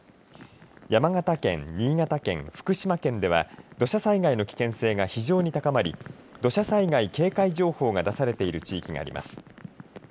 山形県、新潟県、福島県では土砂災害の危険性が非常に高まり土砂災害警戒情報が出されている地域があります。